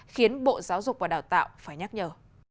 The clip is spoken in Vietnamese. khiến bộ giáo dục và đào tạo phải nhắc nhở